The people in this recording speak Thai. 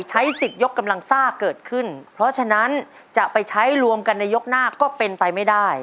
ใช้สิทธิ์ยกกำลังซ่าเกิดขึ้นเพราะฉะนั้นจะไปใช้รวมกันในยกหน้าก็เป็นไปไม่ได้